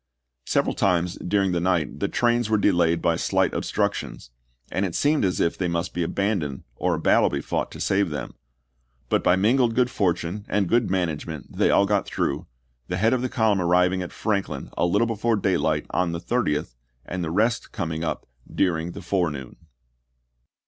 Several times during the night the trains were de layed by slight obstructions, and it seemed as if they must be abandoned, or a battle be fought to save them ; but by mingled good fortune and good management they all got through, the head of the column arriving at Franklin a little before daylight on the 30th, and the rest coming up during the Nov.,i864. forenoon.